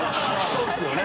そうですよね